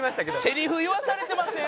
セリフ言わされてません？